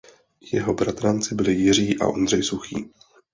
Jeho bratranci byli Jiří a Ondřej Suchý.